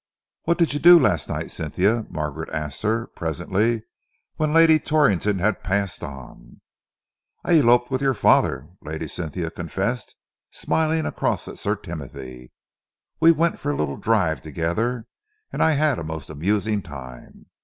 "What did you do last night, Cynthia?" Margaret asked her presently, when Lady Torrington had passed on. "I eloped with your father," Lady Cynthia confessed, smiling across at Sir Timothy. "We went for a little drive together and I had a most amusing time.